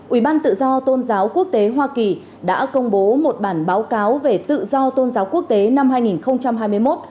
ủy ban tự do tôn giáo quốc tế hoa kỳ đã công bố một bản báo cáo về tự do tôn giáo quốc tế năm hai nghìn hai mươi một